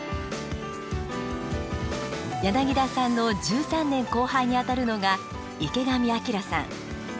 柳田さんの１３年後輩にあたるのが池上彰さん。